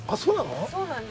◆そうなの？